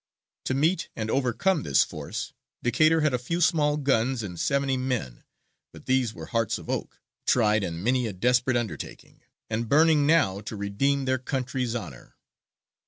To meet and overcome this force Decatur had a few small guns and seventy men, but these were hearts of oak, tried in many a desperate undertaking, and burning now to redeem their country's honour.